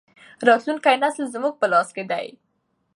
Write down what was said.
راتلونکی نسل زموږ په لاس کې دی.